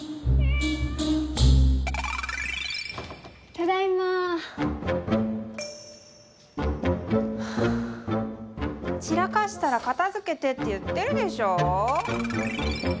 ただいま。は散らかしたら片づけてって言ってるでしょ！